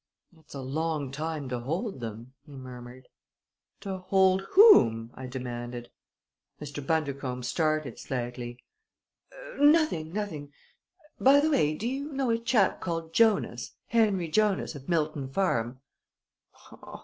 "It's a long time to hold them!" he murmured. "To hold whom?" I demanded. Mr. Bundercombe started slightly. "Nothing! Nothing! By the by, do you know a chap called Jonas Henry Jonas, of Milton Farm?"